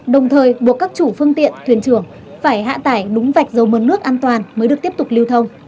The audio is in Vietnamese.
đồng thời buộc các chủ phương tiện thuyền trưởng phải hạ tải đúng vạch dầu mờn nước an toàn mới được tiếp tục lưu thông